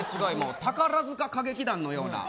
宝塚歌劇団のような。